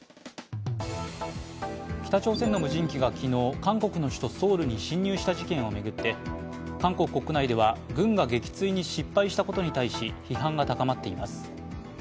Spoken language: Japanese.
北朝鮮の無人機が昨日、韓国の首都ソウルに侵入した事件を巡って韓国国内では軍が撃墜に失敗したことに対し批判が高まっています。